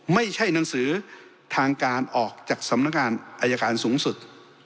ไม่ใช่หนังสือทางการออกจากสำนักงานอายการสูงสุด